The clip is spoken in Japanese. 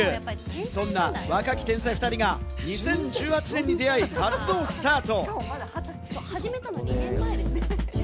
そんな若き天才２人が２０１８年に出会い、活動スタート。